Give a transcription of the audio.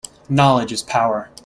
Knowledge is power.